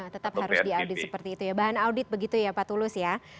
tetap harus diaudit seperti itu ya bahan audit begitu ya pak tulus ya